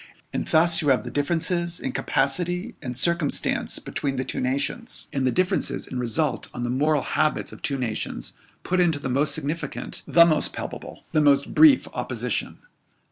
And thus you have the differences in capacity and circumstance between the two nations, and the differences in result on the moral habits of two nations, put into the most significant the most palpable the most brief opposition.